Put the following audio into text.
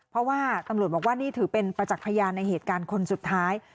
เพราะว่าตำรวจบอกว่านี่ถือเป็นประจักษ์พยานในเหตุการณ์คนสุดท้าย